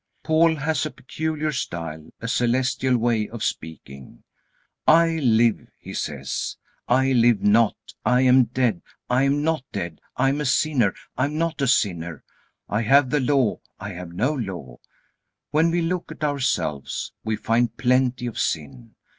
Paul has a peculiar style, a celestial way of speaking. "I live," he says, "I live not; I am dead, I am not dead; I am a sinner, I am not a sinner; I have the Law, I have no Law." When we look at ourselves we find plenty of sin.